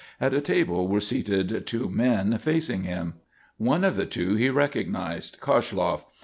At a table were seated two men, facing him. One of the two he recognised: Koshloff.